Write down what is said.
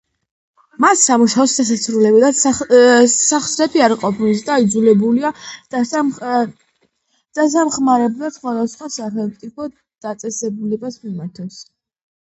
მას სამუშაოს დასასრულებლად სახსრები არ ჰყოფნის და იძულებულია დასახმარებლად სხვადასხვა სახელმწიფო დაწესებულებებს მიმართოს.